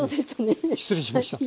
失礼しました。